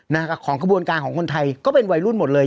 ของกระบวนการของคนไทยก็เป็นวัยรุ่นหมดเลย